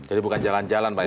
jadi bukan jalan jalan pak ya